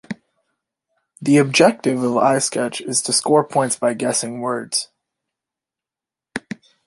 The objective of iSketch is to score points by guessing words.